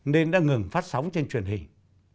nên đã ngừng phát sóng trên truyền hình